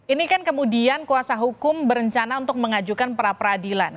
ini kan kemudian kuasa hukum berencana untuk mengajukan pra peradilan